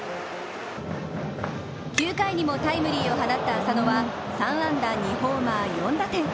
９回にもタイムリーを放った浅野は３安打２ホーマー４打点。